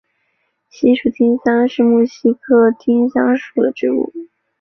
西蜀丁香是木犀科丁香属的植物。